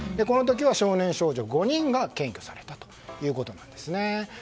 この時は少年少女５人が検挙されたということです。